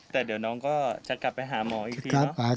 แต่เดี๋ยวน้องก็จะกลับไปหาหมออีกทีเนาะ